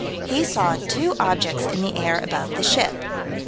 He saw two objects in the air above the ship.